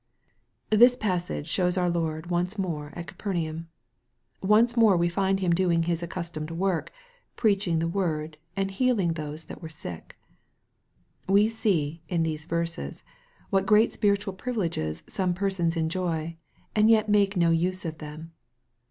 THIS passage shows our Lord once more at Capernaum. Once more we find Him doing His accustomed work, preaching the word, and healing those that were sick. We see, in these verses, what great spiritual privileges come persons enjoy, and yet make no use of them.